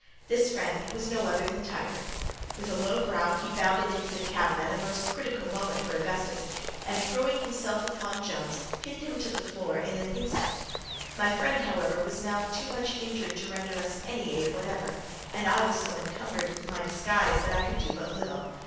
This friend was no other than Tiger. With a low growl, he bounded into the cabin, at a most critical moment for Augustus, and throwing himself upon Jones, pinned him to the floor in an instant. My friend, however, was now too much injured to render us any aid whatever, and I was so encumbered with my disguise that I could do but little.